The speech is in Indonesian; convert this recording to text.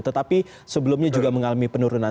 tetapi sebelumnya juga mengalami penurunan